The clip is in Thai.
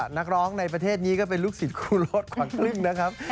นักร้องในประเทศนี้ก็เป็นลูกศิษย์ครูโรดขวัญกลิ้งนะครับ